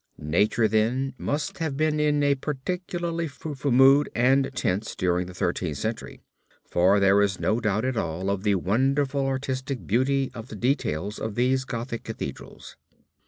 Nature then must have been in a particularly fruitful mood and tense during the Thirteenth Century, for there is no doubt at all of the wonderful artistic beauty of the details of these Gothic cathedrals.